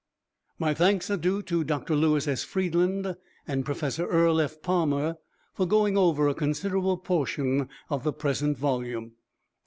My thanks are due to Dr. Louis S. Friedland and Professor Earle F. Palmer for going over a considerable portion of the present volume.